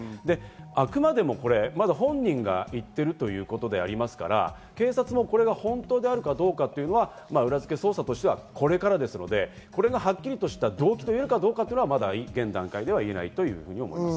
あくまでも本人が言っているということでありますから、警察もこれが本当であるかどうかというのは裏付け捜査としてはこれからですので、これがはっきりとした動機かどうかというのはまだ現段階では言えないという状況です。